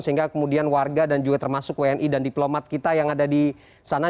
sehingga kemudian warga dan juga termasuk wni dan diplomat kita yang ada di sana